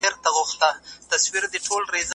لکه فیسبوک اکاونټ جوړول.